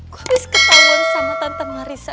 gue abis ketahuan sama tante marissa